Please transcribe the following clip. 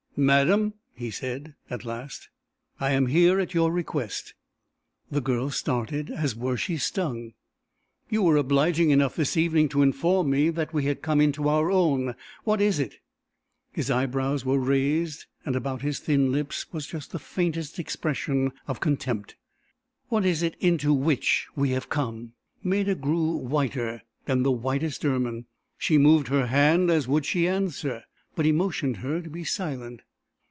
"Madam," he said at last, "I am here at your request." The girl started as were she stung. "You were obliging enough this evening to inform me that we had come into our own. What is it?" His eyebrows were raised and about his thin lips was just the faintest expression of contempt. "What is it into which we have come?" Maida grew whiter than the whitest ermine; she moved her hand as would she answer, but he motioned her to be silent.